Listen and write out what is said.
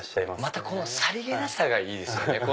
またこのさりげなさがいいですよね。